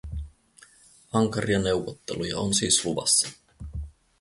Ankaria neuvotteluja on siis luvassa.